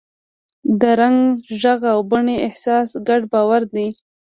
د رنګ، غږ او بڼې احساس ګډ باور دی.